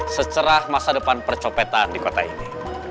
secerah masa depan percopetan di kota ini